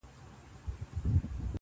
نور لاس کي کتاب راکه قلم راکه,